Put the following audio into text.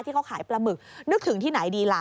ที่เขาขายปลาหมึกนึกถึงที่ไหนดีล่ะ